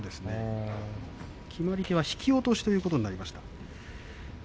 決まり手は引き落としということになりました。